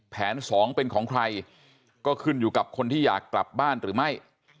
แผนสองเป็นของใครก็ขึ้นอยู่กับคนที่อยากกลับบ้านหรือไม่